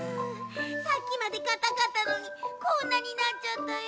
さっきまでかたかったのにこんなになっちゃったよ。